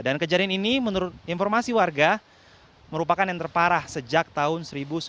dan kejadian ini menurut informasi warga merupakan yang terparah sejak tahun seribu sembilan ratus delapan puluh dua